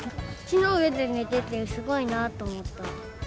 木の上で寝てて、すごいなと思った。